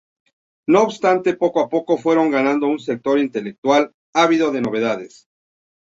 No obstante, poco a poco fueron ganando un sector intelectual, ávido de novedades.